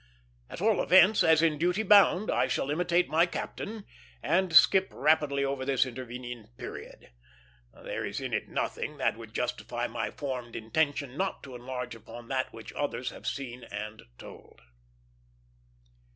At all events, as in duty bound, I shall imitate my captain, and skip rapidly over this intervening period. There is in it nothing that would justify my formed intention not to enlarge upon that which others have seen and told.